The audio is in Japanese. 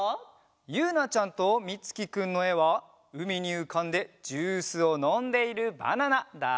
ゆうなちゃんとみつきくんのえはうみにうかんでジュースをのんでいるバナナだそうです。